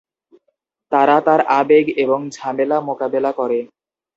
তারা তার আবেগ এবং ঝামেলা মোকাবেলা করে।